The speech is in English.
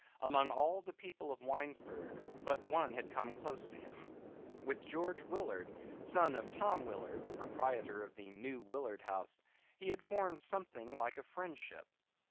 Among all the people of Winesburg but one had come close to him. With George Willard, son of Tom Willard, the proprietor of the New Willard House, he had formed something like a friendship.